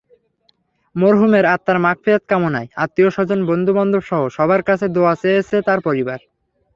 মরহুমের আত্মার মাগফিরাত কামনায় আত্মীয়স্বজন, বন্ধুবান্ধবসহ সবার কাছে দোয়া চেয়েছে তাঁর পরিবার।